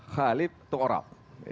khalif toh harap